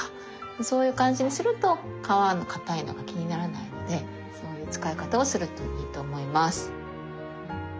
そういう感じにすると皮の硬いのが気にならないのでそういう使い方をするといいと思います。